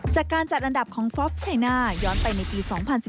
จากการจัดอันดับของฟอล์ฟชัยน่าย้อนไปในปี๒๐๑๙